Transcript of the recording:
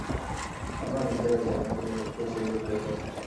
আমরা নিজেরা যেমন, জগৎকেও সেইরূপ দেখিয়া থাকি।